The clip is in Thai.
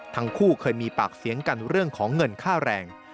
ทั้งคู่เคยมีปากเสียงกันเรื่องของเงินค่าแรง